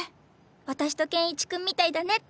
私とケンイチ君みたいだねって。